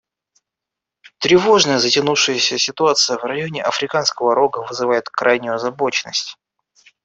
Тревожная затянувшаяся ситуация в районе Африканского Рога вызывает крайнюю озабоченность.